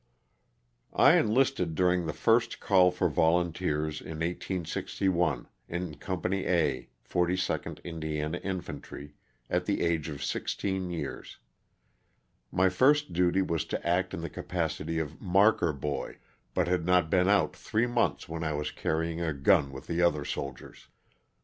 T ENLISTED during the first call for volunteers in ^ 1861, in Company A, 42nd Indiana Infantry, at the age of 16 years. My first duty was to act in the capacity of "marker" boy, but had not been out three months when I was carrying a gun with the other soldiers.